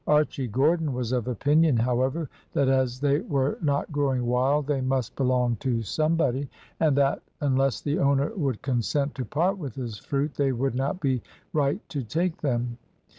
Archy Gordon was of opinion, however, that as they were not growing wild they must belong to somebody; and that unless the owner would consent to part with his fruit, they would not be right to take them.